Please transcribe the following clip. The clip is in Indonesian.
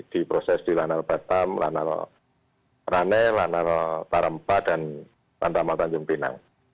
diproses di lanal batam lanal rane lanal tarempa dan tandang matan jum'inang